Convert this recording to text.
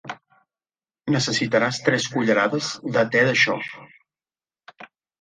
Necessitaràs tres cullerades de te d'això.